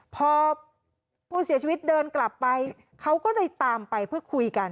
พอผู้เสียชีวิตเดินกลับไปเขาก็เลยตามไปเพื่อคุยกัน